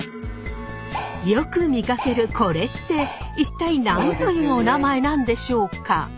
よく見かけるこれって一体何というおなまえなんでしょうか？